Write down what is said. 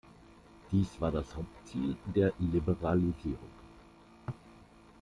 Dies war das Hauptziel der Liberalisierung.